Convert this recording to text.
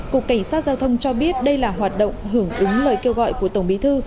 cục cảnh sát giao thông cho biết đây là hoạt động hưởng ứng lời kêu gọi của tổng bí thư